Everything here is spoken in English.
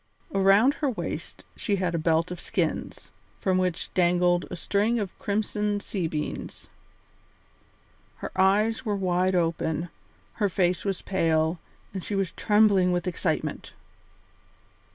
Around her waist she had a belt of skins, from which dangled a string of crimson sea beans. Her eyes were wide open, her face was pale, and she was trembling with excitement.